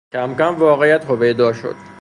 کمکم واقعیت هویدا شد.